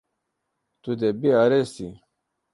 Tu dê biarêsî.